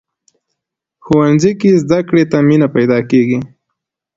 ښوونځی کې زده کړې ته مینه پیدا کېږي